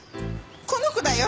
この子だよ。